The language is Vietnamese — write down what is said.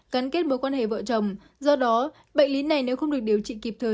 cắn kết mối quan hệ vợ chồng do đó bệnh lý này nếu không được điều trị kịp thời